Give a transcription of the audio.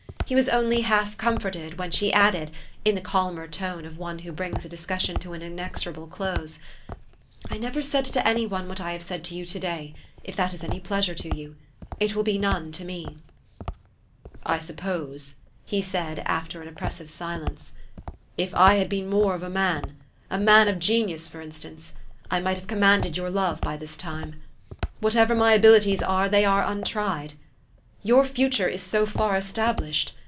He was only half comforted when she added, in the calmer tone of one who brings a dis cussion to an inexorable close, ' 4 1 never said to any one what I have said to you to day, if that is any pleasure to you : it will be none to me." " I suppose," he said, after an oppressive silence, " if I had been more of a man, a man of genius for instance, I might have commanded your love by this tune. "Whatever my abilities are, they are untried. Your future is so far established.